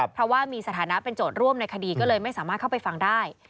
เพราะว่ามีสถานะเป็นโจทย์ร่วมในคดีก็เลยไม่สามารถเข้าไปฟังได้